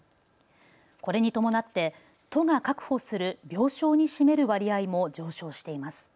これに伴って都が確保する病床に占める割合も上昇しています。